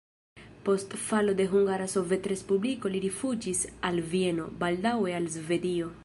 Post falo de Hungara Sovetrespubliko li rifuĝis al Vieno, baldaŭe al Svedio.